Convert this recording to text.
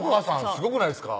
すごくないですか？